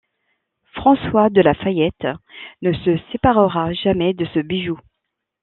François de La Fayette ne se séparera jamais de ce bijou.